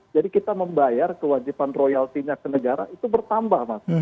jadi kita membayar kewajiban royaltinya ke negara itu bertambah mas